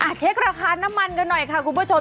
เช็คราคาน้ำมันกันหน่อยค่ะคุณผู้ชม